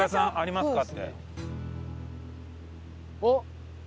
おっ！